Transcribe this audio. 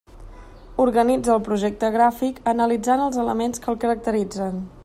Organitza el projecte gràfic analitzant els elements que el caracteritzen.